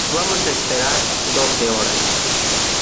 vamos a esperar doce horas.